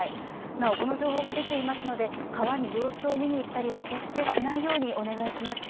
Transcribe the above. なおこの情報が出ていますので川の様子を見に行ったりは決してしないようにお願いします。